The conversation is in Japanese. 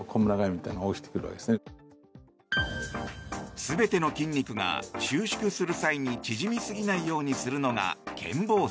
全ての筋肉が収縮する際に縮みすぎないようにするのが腱紡錘。